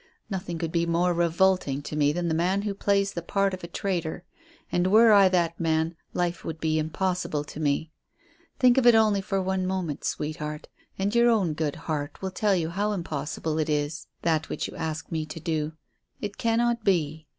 Nothing could be more revolting to me than the man who plays the part of a traitor, and were I that man life would be impossible to me. Think of it only for one moment, sweetheart, and your own good heart will tell you how impossible is that which you ask me to do. It cannot be.